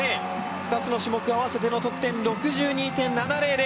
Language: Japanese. ２つの種目を合わせて６２．７００。